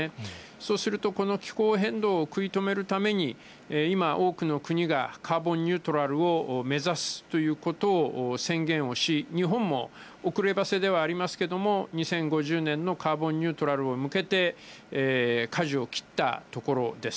そうすると、この気候変動を食い止めるために、今、多くの国がカーボンニュートラルを目指すということを宣言をし、日本も遅ればせではありますけれども、２０５０年のカーボンニュートラルに向けて、かじを切ったところです。